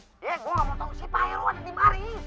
gue gak mau tahu si pak heru ada di mare